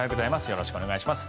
よろしくお願いします。